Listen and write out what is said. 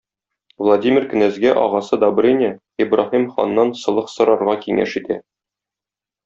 Владимир кенәзгә агасы Добрыня Ибраһим ханнан солых сорарга киңәш итә.